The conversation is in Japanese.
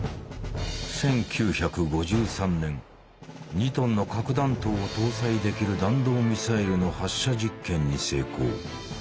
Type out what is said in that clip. ２トンの核弾頭を搭載できる弾道ミサイルの発射実験に成功。